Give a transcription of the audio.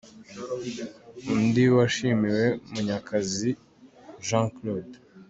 Undi washimiwe ni Munyakazi Jean Claude.